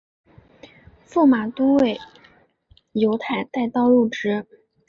驸马都尉游泰带刀入直。